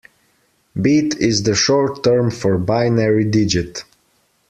Bit is the short term for binary digit.